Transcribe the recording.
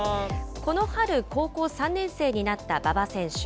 この春、高校３年生になった馬場選手。